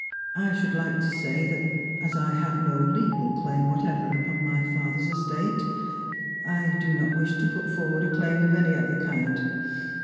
"I should like to say that as I have no legal claim whatever upon my father's estate, I do not wish to put forward a claim of any other kind.